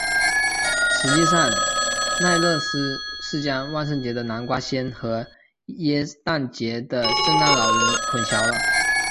实际上奈勒斯是将万圣节的南瓜仙和耶诞节的圣诞老人混淆了。